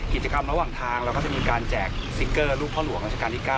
กิจกรรมระหว่างทางเราก็จะมีการแจกสติ๊กเกอร์รูปพ่อหลวงราชการที่๙